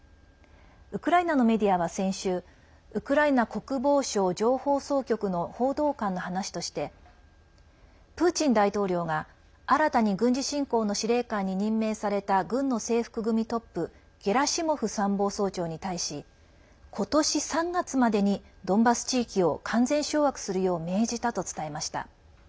ウクライナのメディアは先週ウクライナ国防省情報総局の報道官の話としてプーチン大統領が新たに軍事侵攻の司令官に任命された軍の制服組トップゲラシモフ参謀総長に対し今年３月までにドンバス地域を完全掌握するよう命じたと伝えました。